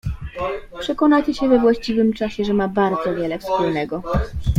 "Przekonacie się we właściwym czasie, że ma bardzo wiele wspólnego."